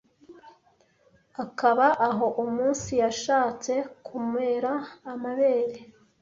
akaba aho umunsi yashatse kumera amabere